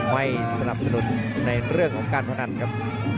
ไม่สนับสนุนในเรื่องของการพนันครับ